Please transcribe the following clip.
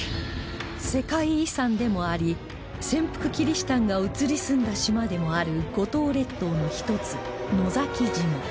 世界遺産でもあり潜伏キリシタンが移り住んだ島でもある五島列島の１つ野崎島